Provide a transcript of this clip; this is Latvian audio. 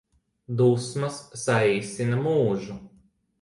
Dusmas saīsina mūžu